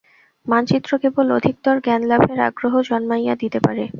মানচিত্র কেবল অধিকতর জ্ঞানলাভের আগ্রহ জন্মাইয়া দিতে পারে।